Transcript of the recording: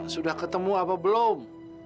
sudah ketemu abah belum